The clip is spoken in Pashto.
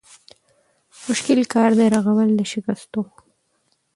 مشکل کار دی رغول د شکستو